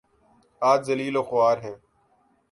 آج ذلیل وخوار ہیں۔